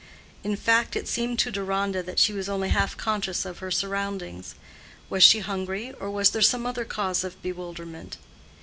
In fact, it seemed to Deronda that she was only half conscious of her surroundings: was she hungry, or was there some other cause of bewilderment?